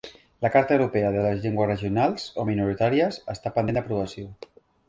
La Carta Europea de les Llengües Regionals o Minoritàries està pendent d'aprovació